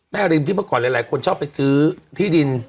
ริมที่เมื่อก่อนหลายคนชอบไปซื้อที่ดิน